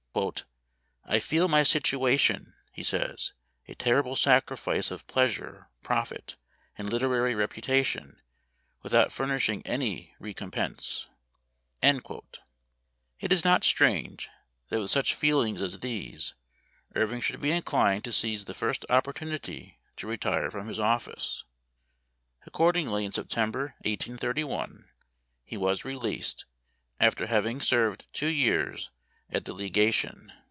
" I feel my situation," he says, " a ter rible sacrifice of pleasure, profit, and literary reputation without furnishing any recompense." It is not strange that with such feelings as. these Irving should be inclined to seize the first opportunity to retire from his office. Accord ingly in September, 1831, he was released, after having served two years at the Legation.